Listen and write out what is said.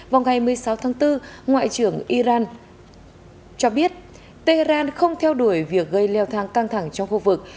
vào ngày một mươi sáu tháng bốn ngoại trưởng iran cho biết tehran không theo đuổi việc gây leo thang căng thẳng trong khu vực